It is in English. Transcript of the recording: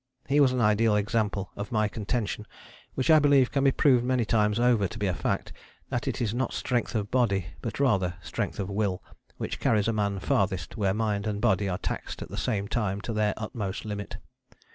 He was an ideal example of my contention, which I believe can be proved many times over to be a fact, that it is not strength of body but rather strength of will which carries a man farthest where mind and body are taxed at the same time to their utmost limit.